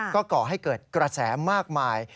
ก็ก่อให้เกิดกระแสมากมาย